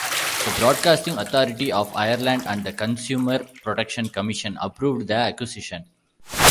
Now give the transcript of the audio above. The Broadcasting Authority of Ireland and the Consumer Protection Commission approved the acquisition.